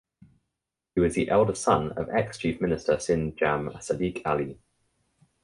He was the eldest son of ex chief minister (Sindh) Jam Sadiq Ali.